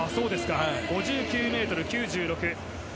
５９ｍ９６。